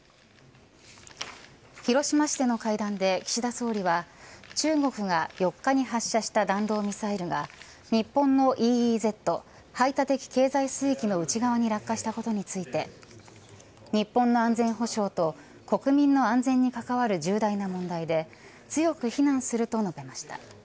広島市での会談で、岸田総理は中国が４日に発射した弾道ミサイルが日本のＥＥＺ排他的経済水域の内側に落下したことについて日本の安全保障と国民の安全に関わる重大な問題で強く非難すると述べました。